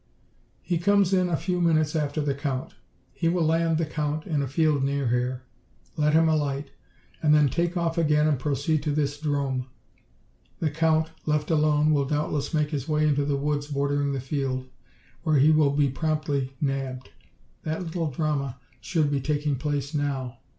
"He comes in a few minutes after the Count. He will land the Count in a field near here, let him alight, and then take off again and proceed to this 'drome. The Count, left alone, will doubtless make his way into the woods bordering the field, where he will promptly be nabbed. That little drama should be taking place now.